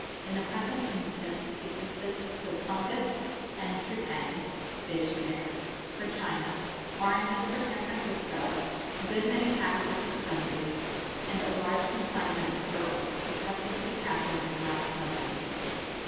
In the present instance it consists of fungus and tripang (bêche de mer) for China, oranges for San Francisco, a good many packages of sundries, and a large consignment of pearls, entrusted to the captain at the last moment.